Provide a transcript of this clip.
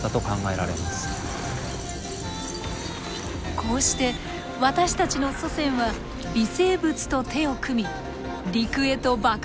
こうして私たちの祖先は微生物と手を組み陸へと爆発的に広がっていきました。